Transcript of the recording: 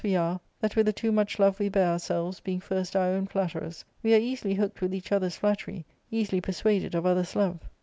we are, that with the too much love we bear ourselves, being first our own flatterers, we are easily hooked with each other's flattery, easily persuaded of other's love.